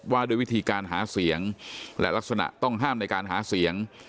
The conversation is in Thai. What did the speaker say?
ว่าด้วยวิธีการหาเสียงและลักษณะต้องห้ามในการหาเสียง